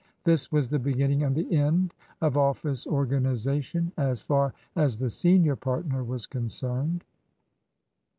This was the beginning and the end of office organization as far as the senior partner was concerned.